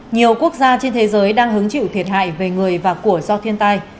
nhiều quốc gia trên thế giới đang hứng chịu thiệt hại về người và của do thiên tai